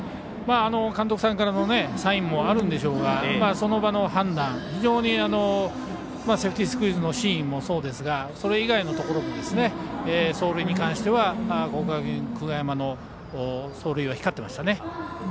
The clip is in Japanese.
監督さんからのサインもあるんでしょうがその場の判断、非常にセーフティースクイズのシーンもそうですが、それ以外のところで走塁に関しては国学院久我山の走塁は光ってましたね。